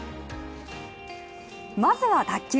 まずは、卓球。